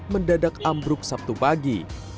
mendadak ambruk sabtu pagi